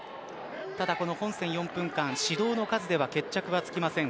ただ本戦４分間指導の数では決着はつきません。